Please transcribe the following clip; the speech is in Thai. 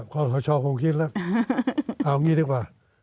ครอสชคงคิดแล้วเอาอย่างนี้ดีกว่า